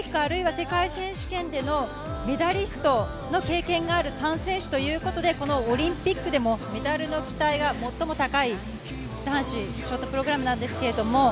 オリンピック、あるいは世界選手権でのメダリストの経験がある３選手ということで、このオリンピックでもメダルの期待が最も高い男子ショートプログラムなんですけど。